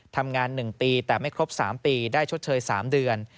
ทำงาน๑ปีแต่ไม่ครบ๓ปีได้ชดเชย๓เดือน